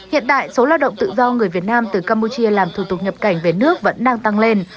hiện tại số lao động tự do người việt nam từ campuchia làm thủ tục nhập cảnh về nước vẫn đang tăng lên